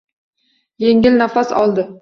Yengil nafas oldi